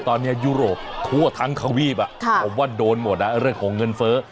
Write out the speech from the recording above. ตอนนี้ยุโรปทั่วทั้งทวีปผมว่าโดนหมดเรื่องของเงินเฟ้อ